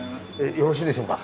よろしいでしょうか。